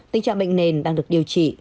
tình trạng bệnh nền đang được điều trị